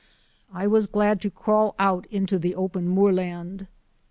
I was glad to crawl out into the open moorland.